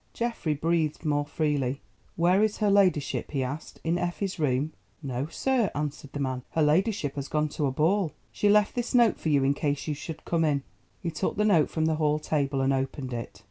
Geoffrey breathed more freely. "Where is her ladyship?" he asked. "In Effie's room?" "No, sir," answered the man, "her ladyship has gone to a ball. She left this note for you in case you should come in." He took the note from the hall table and opened it.